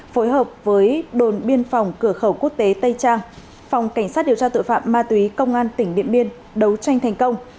phối hợp với đồn biên phòng cửa khẩu quốc tế tây trang phòng cảnh sát điều tra tội phạm ma túy công an tỉnh điện biên đấu tranh thành công